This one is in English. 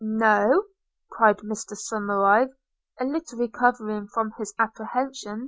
'No!' cried Mr Somerive, a little recovering from his apprehension.